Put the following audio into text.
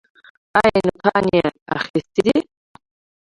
ایا نوکان یې اخیستي دي؟